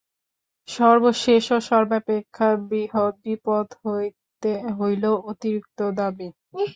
সর্বশেষ ও সর্বাপেক্ষা বৃহৎ বিপদ হইল অতিরিক্ত দাবী।